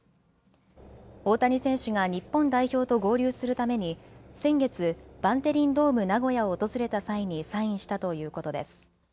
大谷選手が日本代表と合流するために先月、バンテリンドームナゴヤを訪れた際にサインしたということです。